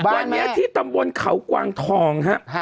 วันนี้ที่ตำบลเขากวางทองครับ